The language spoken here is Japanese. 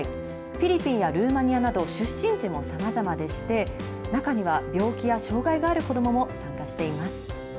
フィリピンやルーマニアなど、出身地もさまざまでして、中には病気や障害がある子どもも参加しています。